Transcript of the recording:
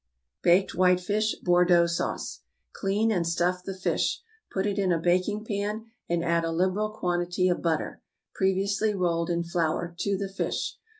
=Baked Whitefish, Bordeaux Sauce.= Clean and stuff the fish. Put it in a baking pan, and add a liberal quantity of butter, previously rolled in flour, to the fish.